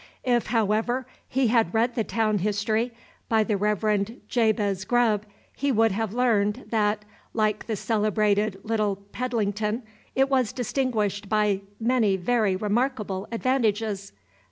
If, however he had read the town history, by the Rev. Jabez Grubb, he would have learned, that, like the celebrated Little Pedlington, it was distinguished by many very remarkable advantages.